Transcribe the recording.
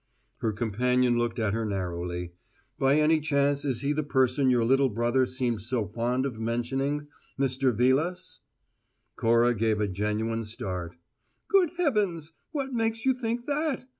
Her companion looked at her narrowly. "By any chance, is he the person your little brother seemed so fond of mentioning Mr. Vilas?" Cora gave a genuine start. "Good heavens! What makes you think that?"